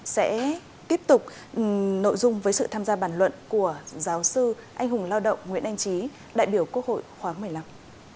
sẽ tiếp tục nội dung với sự tham gia bàn luận của giáo sư anh hùng lao động nguyễn anh trí đại biểu quốc hội khoáng một mươi năm